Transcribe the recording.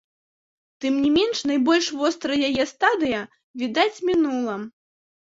Тым не менш найбольш вострая яе стадыя, відаць, мінула.